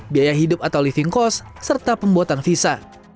biaya hidup atau living cost serta pembuatan visa